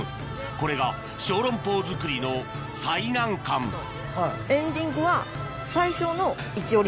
これが小籠包作りの最難関エンディングは。